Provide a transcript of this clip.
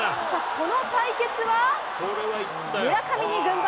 この対決は、村上に軍配。